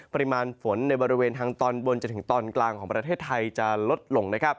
ปริมาณฝนในบริเวณทางตอนบนจนถึงตอนกลางของประเทศไทยจะลดลงนะครับ